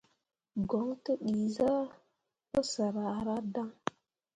Goŋ tǝ dii zah pǝsǝr ahradaŋ.